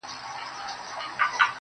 ځكه چي دا خو د تقدير فيصله.